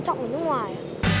đúng rồi thôi